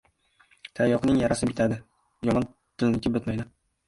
• Tayoqning yarasi bitadi, yomon tilniki bitmaydi.